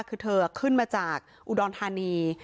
คือเธอขึ้นมาจากอุดรธานี